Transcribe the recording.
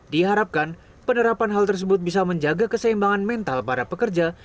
diharapkan penerapan hal tersebut bisa menjaga keseimbangan mental para pekerja